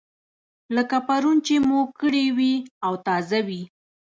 لکه پرون چې مو کړې وي او تازه وي.